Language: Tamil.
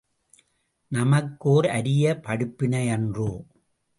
நமக்கு ஓர் அரிய படிப்பினையன்றோ?